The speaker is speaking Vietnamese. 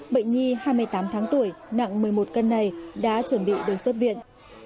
bệnh nhi hai mươi tám tháng tuổi nặng một mươi một cân này đã chuẩn bị được xuất viện